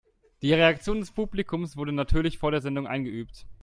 Die Reaktion des Publikums wurde natürlich vor der Sendung eingeübt.